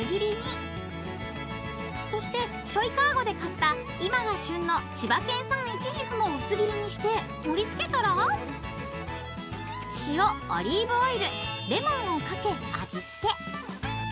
［そしてしょいかごで買った今が旬の千葉県産いちじくも薄切りにして盛り付けたら塩オリーブオイルレモンをかけ味付け］